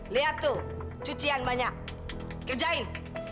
lihat tuh cucian banyak kerjain